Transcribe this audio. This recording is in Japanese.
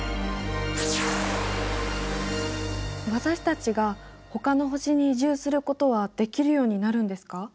私たちがほかの星に移住することはできるようになるんですか？